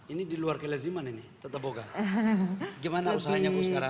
ini di luar keleziman ini tata boga gimana usahanya bu sekarang